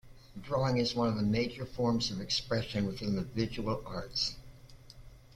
Drawing is one of the major forms of expression within the visual arts.